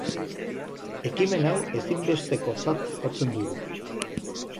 Ekimen hau ezinbestekotzat jotzen dugu.